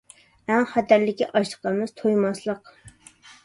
ئەڭ خەتەرلىكى ئاچلىق ئەمەس، تويماسلىق!